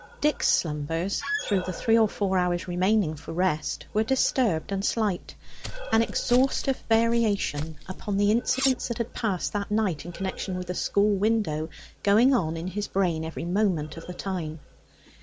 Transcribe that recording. Dick's slumbers, through the three or four hours remaining for rest, were disturbed and slight; an exhaustive variation upon the incidents that had passed that night in connection with the school window going on in his brain every moment of the time.